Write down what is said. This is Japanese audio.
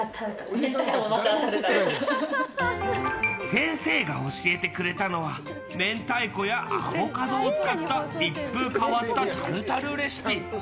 先生が教えてくれたのは明太子やアボカドを使った一風変わったタルタルレシピ。